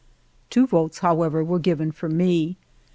Two votes, however, were given for me.